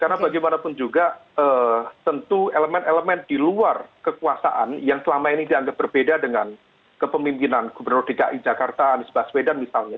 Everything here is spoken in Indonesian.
karena bagaimanapun juga tentu elemen elemen di luar kekuasaan yang selama ini dianggap berbeda dengan kepemimpinan gubernur dki jakarta anies baswedan misalnya